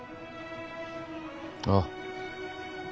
ああ。